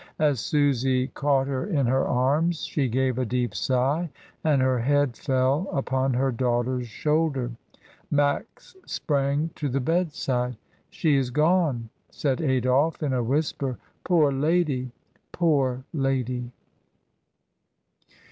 As Susy caught her in her arms she gave a deep sigh, and her head fell upon her daughter's shoulder. Max sprang to the bedside. "She is gone!" said Adolphe, in a whisper. "Poor lady! poor lady!"